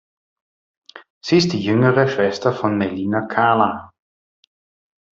Sie ist die jüngere Schwester von Melina Kana.